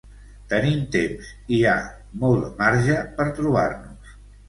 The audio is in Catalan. Tenim temps i hi ha molt de marge per trobar-nos.